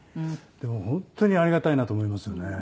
もう本当にありがたいなと思いますよね。